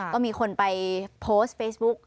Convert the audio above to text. ก็มีคนไปโพสต์เฟซบุ๊ก